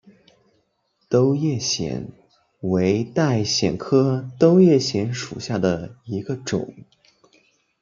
兜叶藓为带藓科兜叶藓属下的一个种。